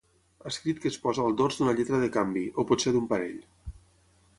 Escrit que es posa al dors d'una lletra de canvi, o potser d'un parell.